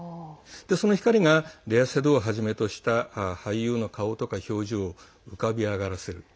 その光がレア・セドゥをはじめとした俳優の顔とか表情を浮かび上がらせる。